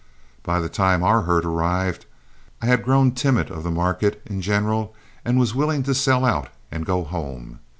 By the time our herd arrived, I had grown timid of the market in general and was willing to sell out and go home.